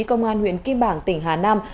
công an huyện kim bảng tỉnh hà nam